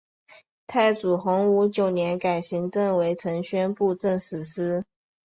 太祖洪武九年改行省为承宣布政使司。